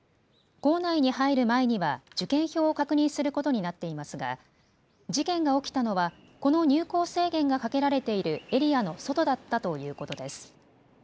構内に入る前には受験票を確認することになっていますが事件が起きたのは、この入構制限がかけられているエリアの外だったということです。